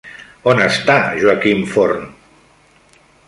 On està Joaquim Forn?